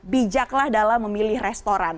bijaklah dalam memilih restoran